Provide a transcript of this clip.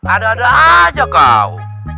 ada ada aja kau